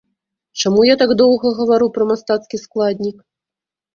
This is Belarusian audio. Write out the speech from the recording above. Чаму я так доўга гавару пра мастацкі складнік?